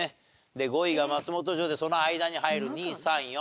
で５位が松本城でその間に入る２３４。